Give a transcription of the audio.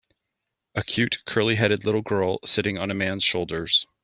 A cute curly headed little girl sitting on a man 's shoulders.